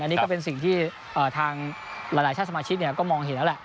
อันนี้ก็เป็นสิ่งที่ทางหลายชาติสมาชิกก็มองเห็นแล้วแหละ